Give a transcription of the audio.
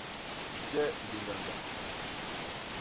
Je liñgañga.